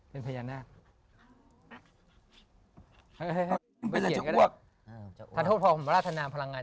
เป็นพยานาค